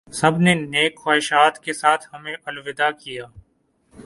سب نے نیک خواہشات کے ساتھ ہمیں الوداع کیا